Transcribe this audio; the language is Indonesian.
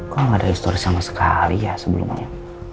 kok nggak ada historis sama sekali ya sebelumnya